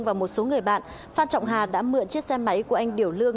và một số người bạn phan trọng hà đã mượn chiếc xe máy của anh điểu lương